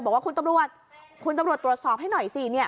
บอกว่าคุณตำรวจตรวจสอบให้หน่อยสิ